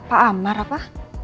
pak amar apa